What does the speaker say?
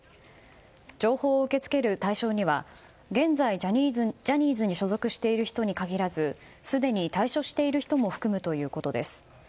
情報を受け付ける対象には現在、ジャニーズに所属している人に限らずすでに退所している人も含むということです。